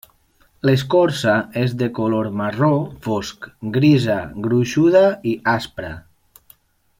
L'escorça és de color marró fosc, grisa, gruixuda i aspra.